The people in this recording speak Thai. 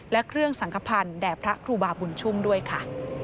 และเครื่องสังขพันธ์แด่พระครูบาบุญชุ่มด้วยค่ะ